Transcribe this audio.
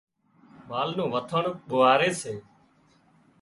مال نُون وٿاڻ ٻوهاري سي